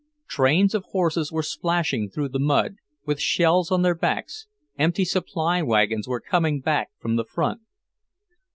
Trains of horses were splashing through the mud, with shells on their backs, empty supply wagons were coming back from the front.